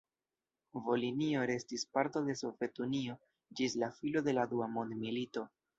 Volinio restis parto de Sovetunio ĝis la fino de la Dua Mondmilito.